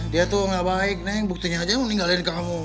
dia tuh gak baik neng buktinya aja meninggalkan kamu